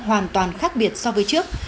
hoàn toàn khác biệt so với trước